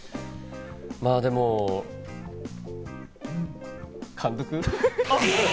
まぁ、でも、監督？